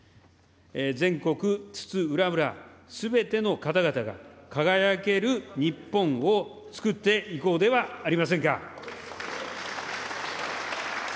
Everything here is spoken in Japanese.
全国津々浦々、すべての方々が輝ける日本を創っていこうではありませんか。